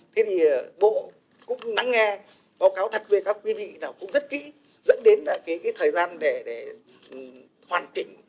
thế thì bộ cũng nắng nghe báo cáo thật với các quý vị nào cũng rất kỹ dẫn đến là cái thời gian để hoàn chỉnh